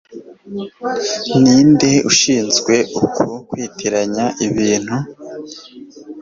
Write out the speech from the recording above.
ninde ushinzwe uku kwitiranya ibintu